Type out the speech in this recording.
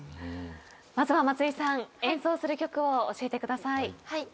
まずは松井さん演奏する曲を教えてください。